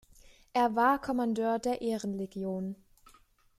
Er war Kommandeur der Ehrenlegion.